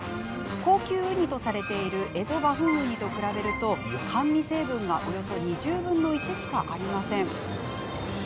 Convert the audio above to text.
高級ウニとされているエゾバフンウニと比べると甘味成分がおよそ２０分の１しかありません。